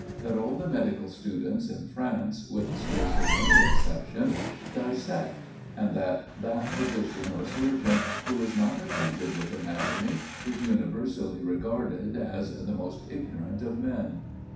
That all the medical students in France, with scarcely any exception, dissect, and that that physician or surgeon who is not acquainted with anatomy, is universally regarged as the most ignorant of men.